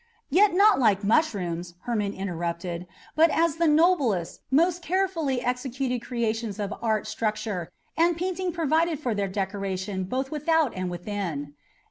"Yet not like mushrooms," Hermon interrupted, "but as the noblest, most carefully executed creations of art sculpture and painting provide for their decoration both without and within."